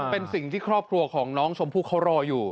เป็นสิ่งที่ครอบครัวของน้องชมพู่เขารออยู่